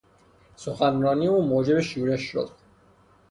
سخنرانی او موجب شورش شد.